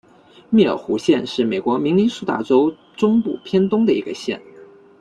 密尔湖县是美国明尼苏达州中部偏东的一个县。